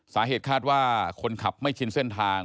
สาเหตุคาดว่าคนขับไม่ชินเส้นทาง